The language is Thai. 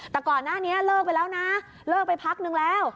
แต่ก่อนหน้านี้เลิกไปแล้วนะเลิกไปพักนึงแล้ว